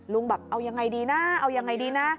แบบเอายังไงดีนะเอายังไงดีนะ